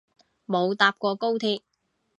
冇搭過高鐵